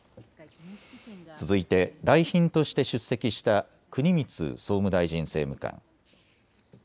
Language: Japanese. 続いて来賓として出席した国光総務大臣政務官。